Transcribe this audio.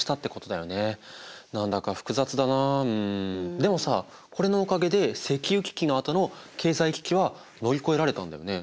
でもさこれのおかげで石油危機のあとの経済危機は乗り越えられたんだよね？